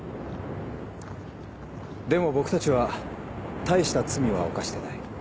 でも僕達は大した罪は犯してない。